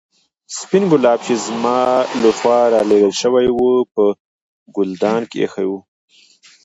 سپين ګلاب چې زما له خوا رالېږل شوي وو په ګلدان کې ایښي وو.